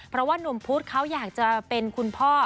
เพราะว่านุ่มพุธเขาอยากจะเป็นคุณพ่อ